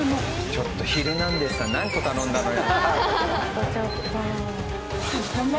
ちょっと『ヒルナンデス！』さん何個頼んだのよ？